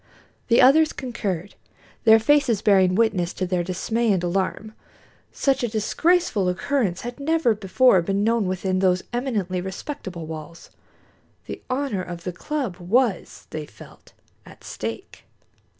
The others concurred, their faces bearing witness to their dismay and alarm. Such a disgraceful occurrence had never before been known within those eminently respectable walls. The honor of the club was, they felt, at stake.